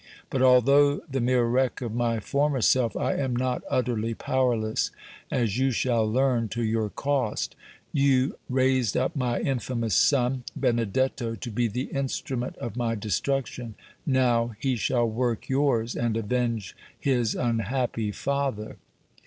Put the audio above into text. But although the mere wreck of my former self, I am not utterly powerless, as you shall learn to your cost. You raised up my infamous son, Benedetto, to be the instrument of my destruction. Now, he shall work yours, and avenge his unhappy father!"